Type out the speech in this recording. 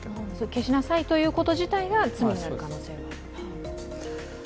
消しなさいということ自体が罪になる可能性があると。